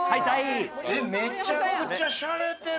めちゃくちゃ洒落てる。